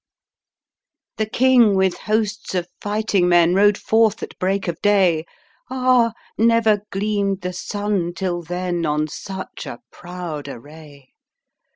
The king, with hosts of fighting men â¢ Rode forth at break of day ;^ Ah ! never gleamed the sun till then On such a proud array.